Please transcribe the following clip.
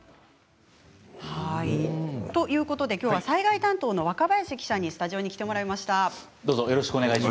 ということで、きょうは災害担当の若林記者にスタジオに来てもらいました。